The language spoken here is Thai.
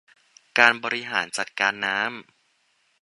การบริหารจัดการน้ำ